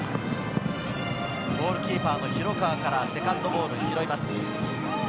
ゴールキーパー・広川からセカンドボールを拾います。